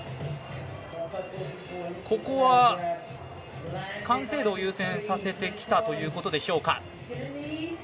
ここは、完成度を優先させてきたということでしょうか。